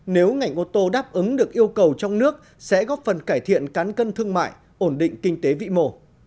nếu ngành ô tô đáp ứng được yêu cầu trong nước sẽ góp phần cải thiện cán cân thương mại ổn định kinh tế vị mồ